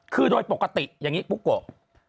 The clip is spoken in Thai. คือโดยปกติอย่างนี้ปุ๊กโกะ